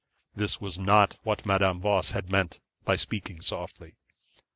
This was not what Madame Voss had meant by speaking softly.